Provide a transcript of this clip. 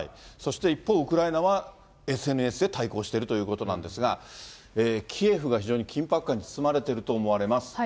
そして一方、ウクライナはＳＮＳで対抗しているということなんですが、キエフが非常に緊迫感に包まれていると思われます。